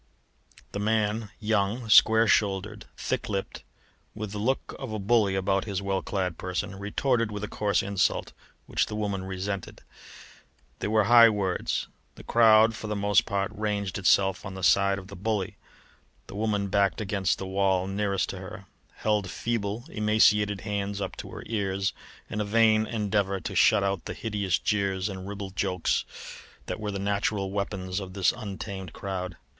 The man young, square shouldered, thick lipped, with the look of a bully about his well clad person retorted with a coarse insult, which the woman resented. There were high words; the crowd for the most part ranged itself on the side of the bully. The woman backed against the wall nearest to her, held feeble, emaciated hands up to her ears in a vain endeavour to shut out the hideous jeers and ribald jokes which were the natural weapons of this untamed crowd.